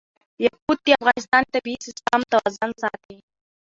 یاقوت د افغانستان د طبعي سیسټم توازن ساتي.